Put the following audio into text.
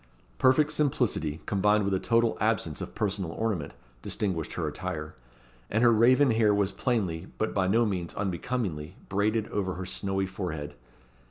Perfect simplicity, combined with a total absence of personal ornament, distinguished her attire; and her raven hair was plainly, but by no means unbecomingly, braided over her snowy forehead.